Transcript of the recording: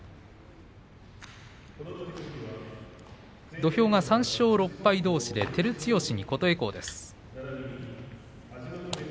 土俵は３勝６敗どうしで照強に琴恵光です。